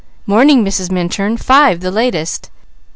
"Morning, Mrs. Minturn; five, the latest.